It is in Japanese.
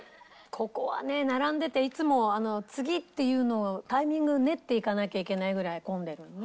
ここはね並んでていつも次っていうのをタイミング練っていかなきゃいけないぐらい混んでるよね。